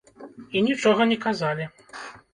І нічога не казалі.